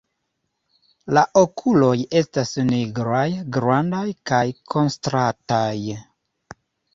La okuloj estas nigraj, grandaj kaj kontrastaj.